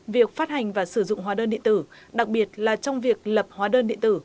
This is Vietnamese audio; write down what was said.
việc phát hành và sử dụng hóa đơn điện tử đặc biệt là trong việc lập hóa đơn điện tử